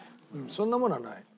そんなものはない。